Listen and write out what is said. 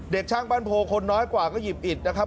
ช่างบ้านโพคนน้อยกว่าก็หยิบอิดนะครับ